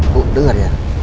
bu denger ya